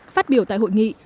phát biểu tại hội nghị